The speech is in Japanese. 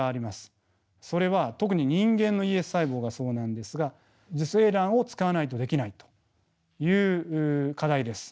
それは特に人間のＥＳ細胞がそうなんですが受精卵を使わないとできないという課題です。